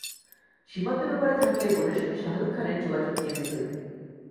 সীমান্তের ওপারে থাকলে বোনের সঙ্গে শাহরুখ খানের যোগযোগ নিয়মিতই।